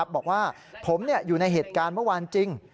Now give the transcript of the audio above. บอกว่าผมอยู่ในเหตุการณ์เมื่อวานจริง